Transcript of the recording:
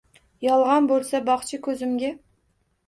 Yolg’on bo’lsa, boq-chi ko’zimga.